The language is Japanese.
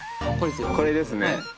これですよね。